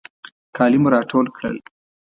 کالي مو ټول کړل.